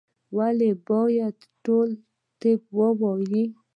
ولي باید ټول طب ووایو؟